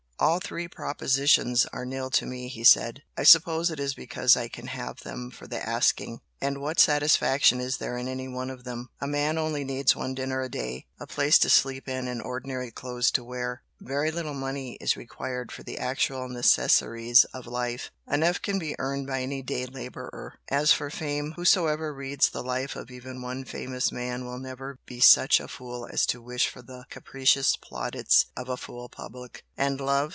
"All three propositions are nil to me" he said "I suppose it is because I can have them for the asking! And what satisfaction is there in any one of them? A man only needs one dinner a day, a place to sleep in and ordinary clothes to wear very little money is required for the actual necessaries of life enough can be earned by any day labourer. As for fame whosoever reads the life of even one 'famous' man will never be such a fool as to wish for the capricious plaudits of a fool public. And love!